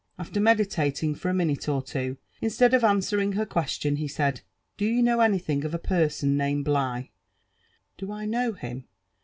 After medilaling for a minute or two, instead of answer ing her question, he said, " Do you know anything of a person named Blighr '* Do I know him